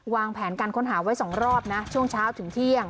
วางแผนการค้นหาไว้๒รอบนะช่วงเช้าถึงเที่ยง